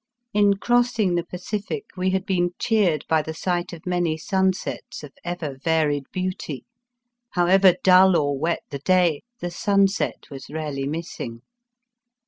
In crossing the Pacific we had been cheered by the sight of many sunsets of ever varied beauty. However dull or wet the day, the sunset was rarely missing.